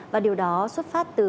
và điều đó xuất phát từ